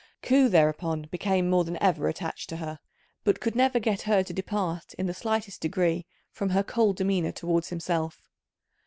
Ku thereupon became more than ever attached to her; but could never get her to depart in the slightest degree from her cold demeanour towards himself.